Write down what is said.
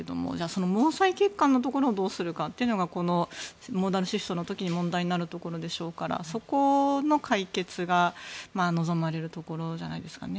その毛細血管のところをどうするかというのがこのモーダルシフトの時に問題になるところでしょうからそこの解決が望まれるところじゃないですかね。